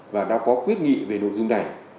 và đã có quyết nghị về nội dung này